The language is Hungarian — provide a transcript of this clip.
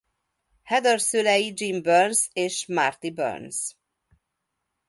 Heather szülei Jim Burns és Marty Burns.